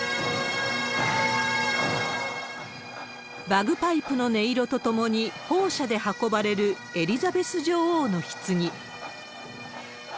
バグパイプの音色と共に砲車で運ばれるエリザベス女王のひつぎ。